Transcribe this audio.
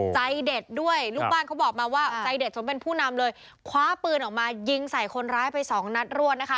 ใจเด็ดด้วยลูกบ้านเขาบอกมาว่าใจเด็ดสมเป็นผู้นำเลยคว้าปืนออกมายิงใส่คนร้ายไปสองนัดรวดนะคะ